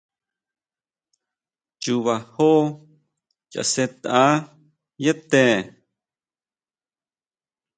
Chuba jon chasʼetʼa yá te.